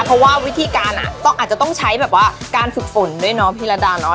เพราะว่าวิธีการอาจจะต้องใช้แบบว่าการฝึกฝนด้วยเนาะพี่ระดาเนาะ